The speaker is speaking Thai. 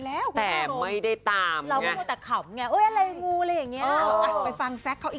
เป็นเต็มมันออก๗๓ไง